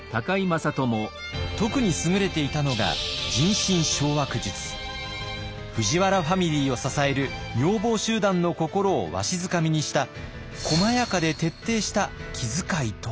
特に優れていたのが藤原ファミリーを支える女房集団の心をわしづかみにした細やかで徹底した気遣いとは？